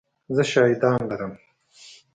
زه شاهدان لرم !